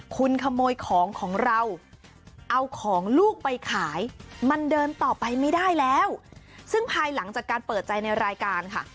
คุณขโมยของของเราเอาของลูกไปขายมันเดินต่อไปไม่ได้แล้วซึ่งภายหลังจากการเปิดใจในรายการค่ะ